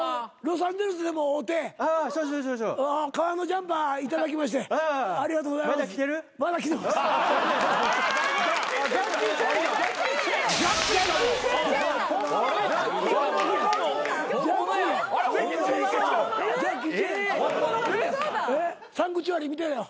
『サンクチュアリ』見たよ。